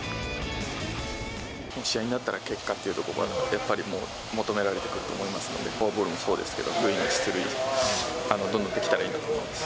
試合になったら結果っていうところが、やっぱりもう、求められてくると思いますので、フォアボールもそうですけど、塁に出塁、どんどんできたらいいなと思います。